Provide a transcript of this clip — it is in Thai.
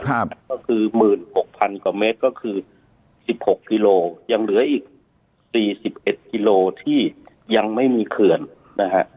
ครับก็คือหมื่นหกพันกว่าเมตรก็คือสิบหกกิโลยังเหลืออีกสี่สิบเอ็ดกิโลที่ยังไม่มีเขื่อนนะฮะ